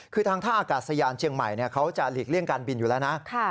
คือทางท่าอากาศยานเชียงใหม่เขาจะหลีกเลี่ยงการบินอยู่แล้วนะ